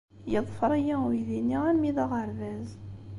Yeḍfer-iyi uydi-nni armi d aɣerbaz.